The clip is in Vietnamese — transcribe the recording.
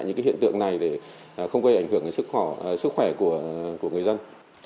những hiện tượng này để không gây ảnh hưởng đến sức khỏe của người dân